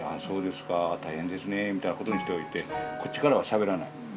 そうですか大変ですねみたいなことにしておいてこっちからはしゃべらない。